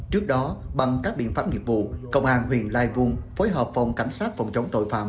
trước đó bằng các biện pháp nghiệp vụ công an huyện lai vung phối hợp phòng cảnh sát phòng chống tội phạm